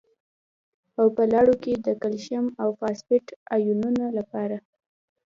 او په لاړو کې د کلسیم او فاسفیټ ایونونو لپاره